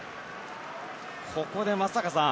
ここで、松坂さん。